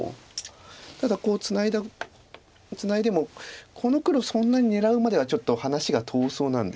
ただこうツナいでもこの黒そんなに狙うまではちょっと話が遠そうなんです。